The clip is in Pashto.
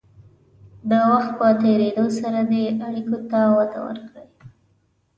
د وخت په تېرېدو سره دې اړیکو ته وده ورکړئ.